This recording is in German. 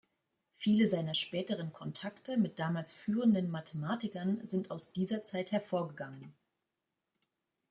Viele seiner späteren Kontakte mit damals führenden Mathematikern sind aus dieser Zeit hervorgegangen.